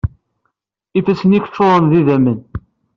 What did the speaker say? Ifassen-ik ččuṛen d idammen.